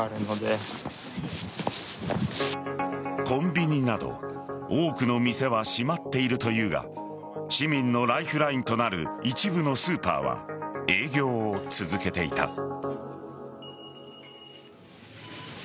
コンビニなど多くの店は閉まっているというが市民のライフラインとなる一部のスーパーは営業を続けていた。